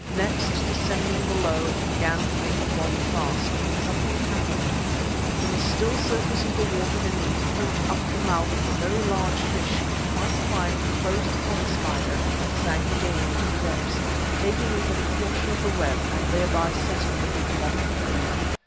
Next, descending below, it began to make the body fast, when something happened. From the still surface of the water beneath poked up the mouth of a very large fish which quite quietly closed upon the spider and sank again into the depths, taking with it a portion of the web and thereby setting the big moth free.